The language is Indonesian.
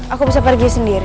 aku bisa pergi sendiri